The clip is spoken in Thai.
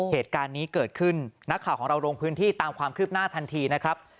เหตุการณ์นี้เกิดขึ้นนักข่าวของเราลงพื้นที่ตามความคืบหน้าทันทีนะครับ